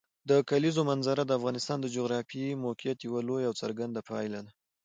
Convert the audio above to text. د کلیزو منظره د افغانستان د جغرافیایي موقیعت یوه لویه او څرګنده پایله ده.